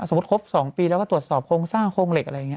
ครบ๒ปีแล้วก็ตรวจสอบโครงสร้างโครงเหล็กอะไรอย่างนี้